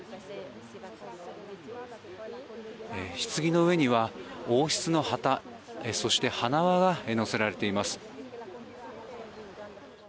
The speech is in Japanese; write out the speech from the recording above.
ひつぎの上には、王室の旗そして花輪が載せられています。